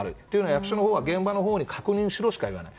役所は現場のほうに確認しろしか言わない。